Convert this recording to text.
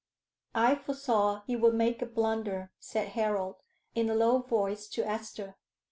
"I foresaw he would make a blunder," said Harold, in a low voice to Esther.